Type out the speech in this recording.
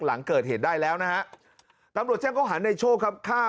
หลังเกิดเหตุได้แล้วนะฮะตำรวจแจ้งเขาหาในโชคครับฆ่า